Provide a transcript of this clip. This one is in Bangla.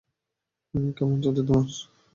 কেমন চলছে তোমার?